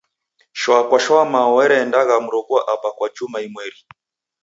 Shwa kwa shwa Mao waraenda kumroghua Aba kwa juma imweri.